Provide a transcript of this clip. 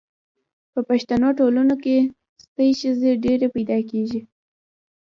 په پښتنو ټولنو کي ستۍ ښځي ډیري پیدا کیږي